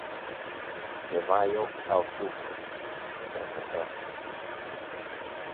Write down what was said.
De mayo a octubre, fr.